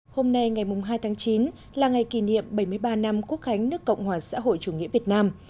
hôm nay ngày hai tháng chín là ngày kỷ niệm bảy mươi ba năm quốc khánh nước cộng hòa xã hội chủ nghĩa việt nam